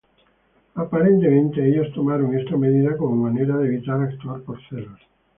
Aparentemente, ellos tomaron esta medida como manera de evitar actuar por celos.